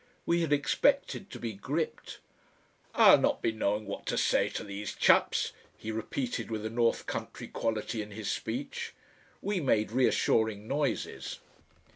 We had expected to be gripped. "I'll not be knowing what to say to these Chaps," he repeated with a north country quality in his speech. We made reassuring noises.